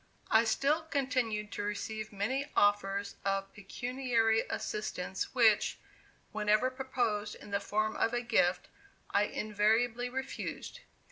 I still continued to receive many offers of pecuniary assistance, which, whenever proposed in the form of a gift, I invariably refused.